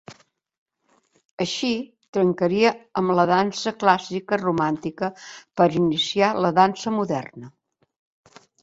Així, trencaria amb la dansa clàssica romàntica per iniciar la dansa moderna.